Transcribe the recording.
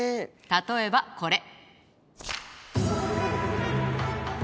例えばこれ。